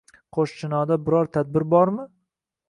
-Qo’shchinorda biror tadbir bormi?